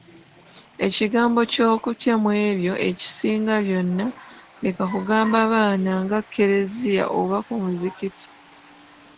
Ekigambo ky’okutya Mu ebyo ekisinga byonna Leka kugamba baana nga Kkereziya oba ku Muzigiti.